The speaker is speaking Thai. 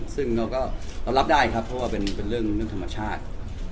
ซึ่งเราก็รับได้ครับเป็นเรื่องธรรมชาติ